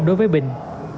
đối với bình